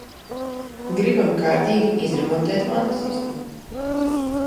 Gribam kārtīgi izremontēt vannasistabu.